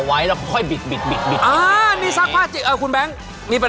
ศักดิ์ชายเนี่ยนะครับก็จะได้รู้นะครับว่า